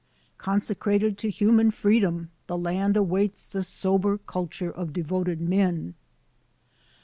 "Consecrated to human freedom, the land ^ awaits the sober culture of devoted men.